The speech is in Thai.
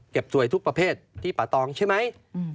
สวยทุกประเภทที่ป่าตองใช่ไหม